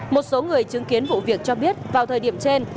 một số người chứng kiến vụ việc cho biết vào thời điểm trên